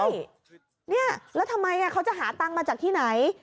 ใช่เนี่ยแล้วทำไมเขาจะหาตังค์มาจากที่ไหน